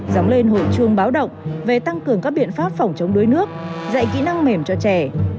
dóng lên hội chuông báo động về tăng cường các biện pháp phòng chống đuối nước dạy kỹ năng mềm cho trẻ